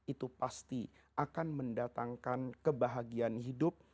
itu pasti akan mendatangkan kebahagiaan hidup